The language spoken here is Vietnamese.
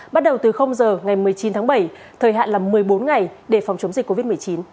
bắt đầu từ giờ ngày một mươi chín tháng bảy thời hạn là một mươi bốn ngày để phòng chống dịch covid một mươi chín